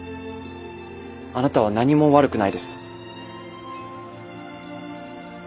あなたは何も悪くないです。